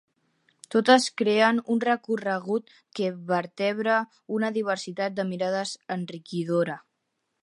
Totes creen un recorregut que vertebra una diversitat de mirades enriquidora.